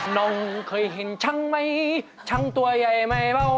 น้องเคยเห็นช่างไหมช่างตัวใหญ่ไหมเปล่า